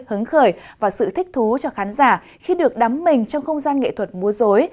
hứng khởi và sự thích thú cho khán giả khi được đắm mình trong không gian nghệ thuật múa dối